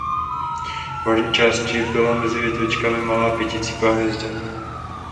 V horní části byla mezi větvičkami malá pěticípá hvězda.